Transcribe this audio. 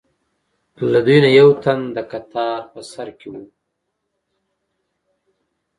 له دوی نه یو تن د کتار په سر کې و.